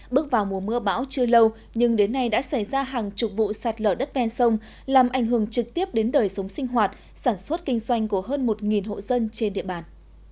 bước vào mùa mưa bão chưa lâu nhưng đến nay đã xảy ra hàng chục vụ sạt lở đất ven sông làm ảnh hưởng trực tiếp đến đời sống sinh hoạt sản xuất kinh doanh của hơn một hộ dân trên địa bàn